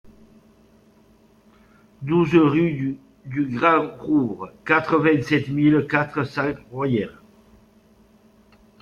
douze rue du Grand Rouvre, quatre-vingt-sept mille quatre cents Royères